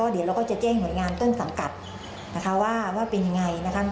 เดี๋ยวเราก็จะแจ้งหน่วยงานเต้นสังกัดว่าเป็นอย่างไร